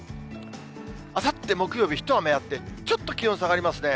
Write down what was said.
あさって木曜日、一雨あって、ちょっと気温下がりますね。